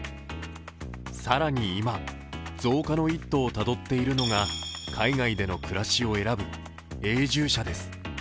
更に今、増加の一途をたどっているのが海外での暮らしを選ぶ永住者です。